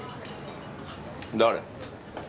誰？